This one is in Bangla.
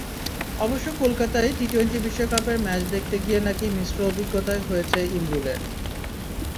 অবশ্য কলকাতায় টি-টোয়েন্টি বিশ্বকাপের ম্যাচ দেখতে গিয়ে নাকি মিশ্র অভিজ্ঞতাই হয়েছে ইমরুলের।